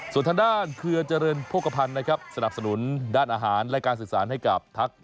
ส่วนทางด้านเครือเจริญโภคภัณฑ์นะครับสนับสนุนด้านอาหารและการสื่อสารให้กับทัก